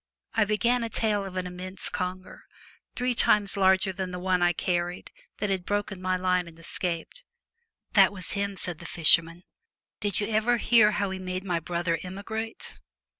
I began a tale of an immense conger, three times larger than the one I carried, that had broken my line and escaped. 'That was him,' said the fisherman. ' Did you ever hear how he made my brother emigrate?